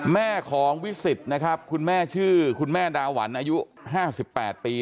แม่ของวิสิตนะครับคุณแม่ชื่อคุณแม่ดาหวันอายุ๕๘ปี